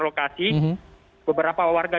lokasi beberapa warga